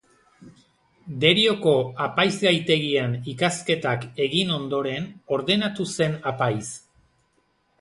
Derioko apaizgaitegian ikasketak egin ondoren ordenatu zen apaiz.